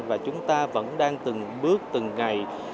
và chúng ta vẫn đang từng bước từng ngày